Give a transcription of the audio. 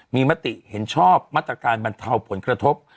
มีมติเห็นชอบมาตรการบรรเทาผลกระทบ